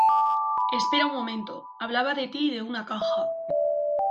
espera un momento. hablaba de ti y de una caja